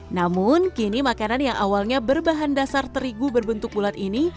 namun kini makanan yang awalnya berbahan dasar terigu berbentuk bulat ini